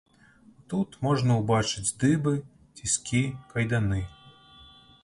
Тут можна ўбачыць дыбы, ціскі, кайданы.